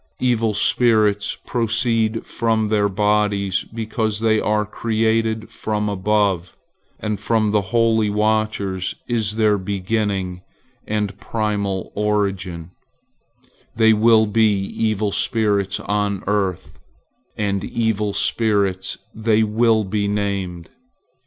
Evil spirits proceed from their bodies, because they are created from above, and from the holy watchers is their beginning and primal origin; they will be evil spirits on earth, and evil spirits they will be named.